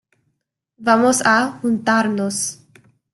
vamos a juntarnos.